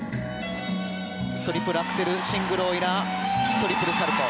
トリプルアクセルシングルオイラートリプルサルコウ。